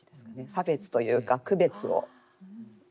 差別というか区別を。